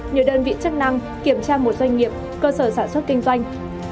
nhiều đơn vị chức năng kiểm tra một doanh nghiệp cơ sở sản xuất kinh doanh